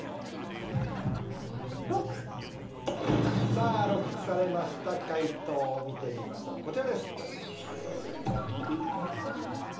さぁＬＯＣＫされました解答見てみましょうこちらです。